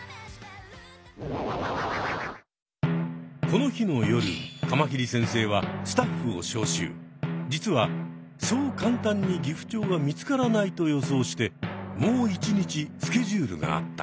この日の夜カマキリ先生は実はそう簡単にギフチョウは見つからないと予想してもう一日スケジュールがあった。